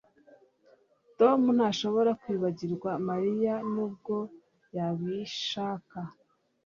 Tom ntashobora kwibagirwa Mariya nubwo yabishaka